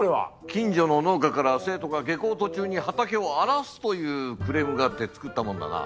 近所の農家から生徒が下校途中に畑を荒らすというクレームがあって作ったものだな。